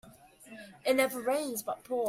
It never rains but it pours.